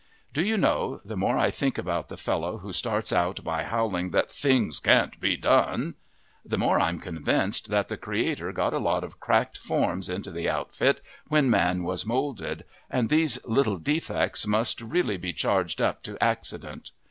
Do you know, the more I think about the fellow who starts out by howling that things can't be done, the more I'm convinced that the Creator got a lot of cracked forms into the outfit when Man was molded, and these little defects must really be charged up to accident.